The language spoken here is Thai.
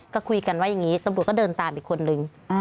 ก็คุยกันว่าอย่างนี้ตำรวจก็เดินตามอีกคนนึง